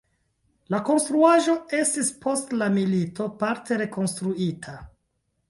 La konstruaĵo estis post la milito parte rekonstruita.